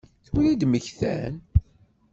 Tura i d-mmektan?